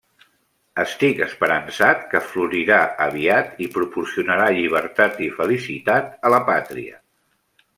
Estic esperançat que florirà aviat i proporcionarà llibertat i felicitat a la pàtria.